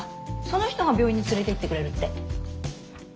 その人が病院に連れていってくれるって。